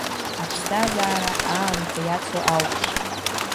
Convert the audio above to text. Аԥсҭазаара аамҭа иацу ауп…